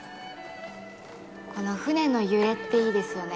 この舟の揺れって、いいですよね。